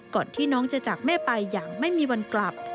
ก่อนที่น้องจะจากแม่ไปอย่างไม่มีวันกลับ